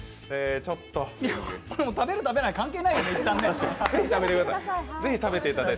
これ食べる食べない関係ない？